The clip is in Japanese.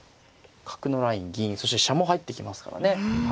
角のライン銀そして飛車も入ってきますからね。